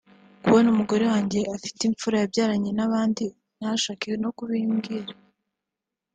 Kubona umugore wanjye afite imfura y’umuhungu yabyaranye n’abandi ntashake no kubimbwira